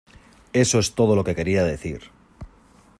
Eso es todo lo que quería decir.